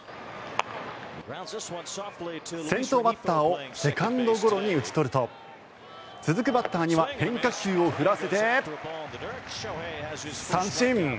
先頭バッターをセカンドゴロに打ち取ると続くバッターには変化球を振らせて、三振！